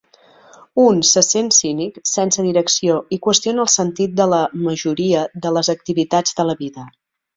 Un se sent cínic, sense direcció i qüestiona el sentit de la majoria de les activitats de la vida.